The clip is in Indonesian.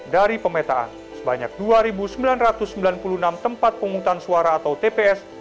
dari pemetaan sebanyak dua sembilan ratus sembilan puluh enam tempat penghutang suara atau tps